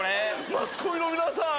マスコミの皆さん